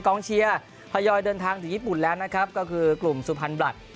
กองเชียร์ทยอยเดินทางถึงญี่ปุ่นแล้วนะครับก็คือกลุ่มสุพรรณบลัด